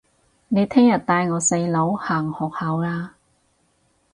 你聽日帶我細佬行學校吖